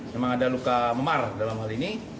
memang ada luka memar dalam hal ini